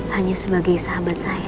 hanya sebagai sahabat saya